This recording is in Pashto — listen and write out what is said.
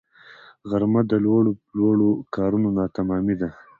غرمه د لوړو لوړو کارونو ناتمامی ده